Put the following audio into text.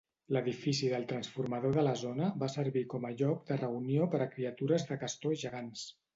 L'edifici del transformador de la zona va servir com a lloc de reunió per a criatures de castor gegants.